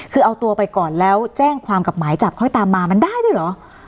คือเอาตัวไปก่อนแล้วแจ้งความกับหมายจับค่อยตามมามันได้ด้วยเหรอ